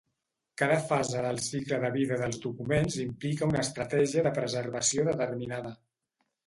Cada fase del cicle de vida dels documents implica una estratègia de preservació determinada.